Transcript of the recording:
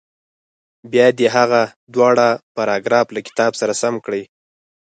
بیا دې هغه دواړه پاراګراف له کتاب سره سم کړي.